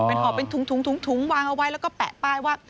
เป็นหอบเป็นถุงวางเอาไว้แล้วก็แปะป้ายว่า